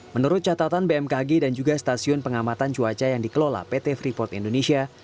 menurut catatan bmkg dan juga stasiun pengamatan cuaca yang dikelola pt freeport indonesia